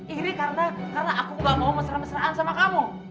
iri karena aku gak mau mesra mesraan sama kamu